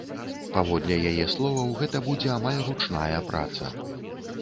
Паводле яе словаў, гэта будзе амаль ручная праца.